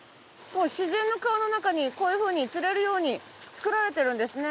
自然の川の中にこういうふうに釣れるように作られてるんですね。